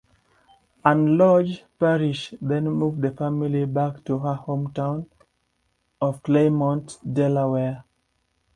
Anne Lodge-Parrish then moved the family back to her hometown of Claymont, Delaware.